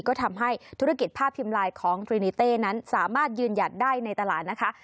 ก็ทำให้ธุรกิจภาพพิมพ์ไลน์ของทรินิเต้นั้นสามารถยืนหยัดได้ในตลาดนะคะ